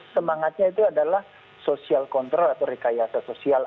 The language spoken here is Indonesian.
semangatnya itu adalah sosial control atau perkayasa sosial